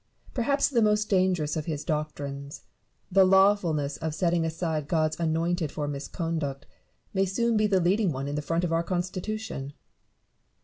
Perhaps the most dangerous of his doctrines, the lawfulness of setting aside God's anointed for misconduct, may soon be the leading one in the front of our Constitution.